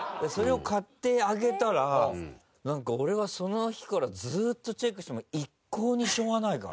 それを買ってあげたらなんか俺はその日からずっとチェックしても。